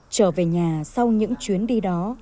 trở về nhà sau những chuyến đi đó